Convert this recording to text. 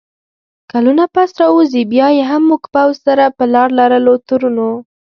کلونه پس راووځي، بیا یې هم موږ پوځ سره په لار لرلو تورنوو